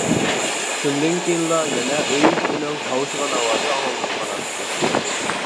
شۇندىن كېيىنلا يەنە ئۆي ئىتىنىڭ ھاۋشىغان ئاۋازى ئاڭلىنىپ قالاتتى.